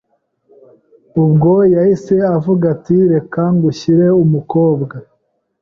Ubwo yahise avuga ati, reka ngushyire umukobwa